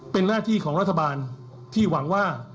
เป็นหน้าที่ของรัฐบาลที่หวังว่า